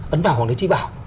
ấn vào hồng đế chi bảo